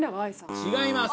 違います。